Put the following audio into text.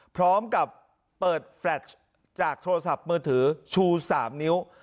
พร้อมกับเปิดแฟลชจากโทรศัพท์มือถือชู๓นิ้ว